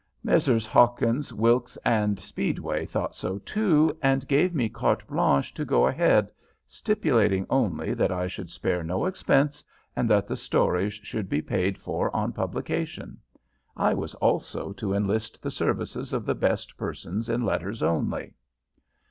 Messrs. Hawkins, Wilkes & Speedway thought so, too, and gave me carte blanche to go ahead, stipulating only that I should spare no expense, and that the stories should be paid for on publication. I was also to enlist the services of the best persons in letters only.